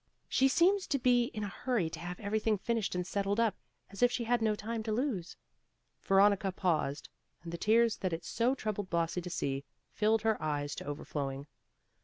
She seems to be in a hurry to have everything finished and settled up as if she had no time to lose." Veronica paused, and the tears that it so troubled Blasi to see, filled her eyes to overflowing.